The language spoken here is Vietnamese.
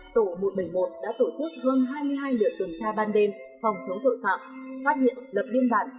tổ một trăm bảy mươi một đã tổ chức hơn hai mươi hai lượt tuần tra ban đêm phòng chống tội phạm phát hiện lập biên bản